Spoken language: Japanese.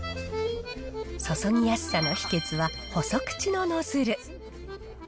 注ぎやすさの秘けつは、細口のノズル。